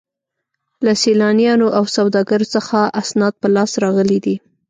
له سیلانیانو او سوداګرو څخه اسناد په لاس راغلي دي.